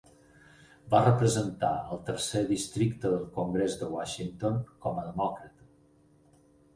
Va representar el tercer districte del congrés de Washington com a demòcrata.